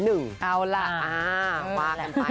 เอาล่ะ